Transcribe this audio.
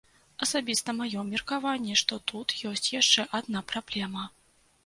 Асабіста маё меркаванне, што тут ёсць яшчэ адна праблема.